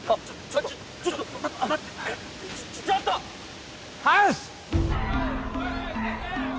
ちょっと待って・ちょっとハウス！